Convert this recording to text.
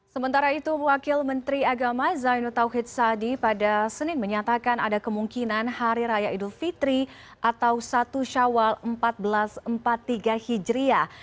sementara itu wakil menteri agama zainud tauhid sadi pada senin menyatakan ada kemungkinan hari raya idul fitri atau satu syawal seribu empat ratus empat puluh tiga hijriah